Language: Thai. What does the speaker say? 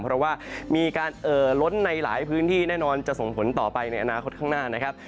เพราะว่ามีการเอ่อล้นในหลายพื้นที่แน่นอนจะส่งผลต่อไปในอนาคตข้างหน้านะครับ